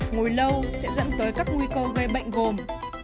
ngồi lâu sẽ dẫn tới các nguy cơ gây bệnh gồm